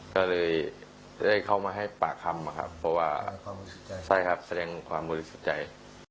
ก็เลยได้เข้ามาให้ปากคำนะครับเพราะว่าใช่ครับแสดงความบริสุทธิ์ใจ